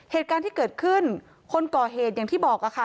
เหตุการณ์ที่เกิดขึ้นคนก่อเหตุอย่างที่บอกค่ะ